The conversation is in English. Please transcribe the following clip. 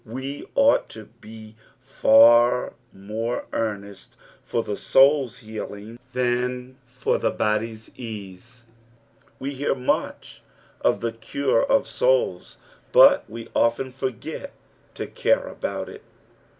We ought to be far mere earnest for the soul's healing than fur the body's ease. We hear much ol the cure of souls, but we often forget to care about it.